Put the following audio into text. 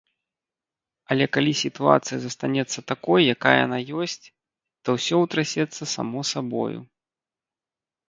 Але калі сітуацыя застанецца такой, якая яна ёсць, то ўсё ўтрасецца само сабою.